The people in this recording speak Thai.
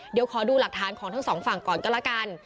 เดี๋ยวขอดูหลักฐานของทั้งสองฝั่งก่อนก็แล้วกัน